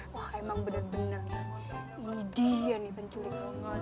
wah emang bener bener nih ini dia nih penculik